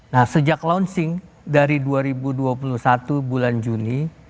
nah sejak launching dari dua ribu dua puluh satu bulan juni